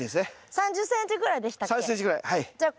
３０ｃｍぐらいでしたっけ？